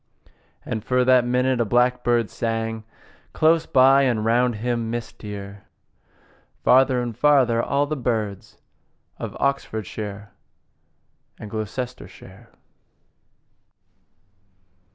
And for that minute a blackbird sang Close by, and round him, mistier, Farther and farther, all the birds Of Oxfordshire and Gloustershire.